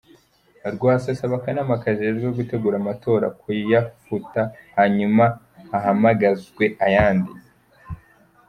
Rwasa asaba akanama kajejwe gutegura amatora kuyafuta hanyuma hahamagazwe ayandi.